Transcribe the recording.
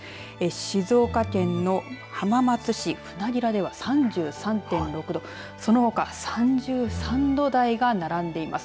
静岡県の浜松市船明では３３．６度そのほか３３度台が並んでいます。